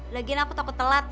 lagian aku takut telat